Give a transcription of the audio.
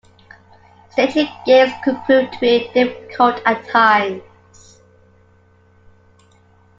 Staging games could prove to be difficult at times.